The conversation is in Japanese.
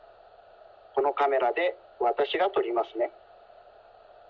このカメラでわたしがとりますね。